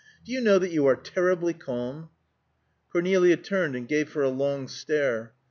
Do you know that you are terribly calm?" Cornelia turned and gave her a long stare.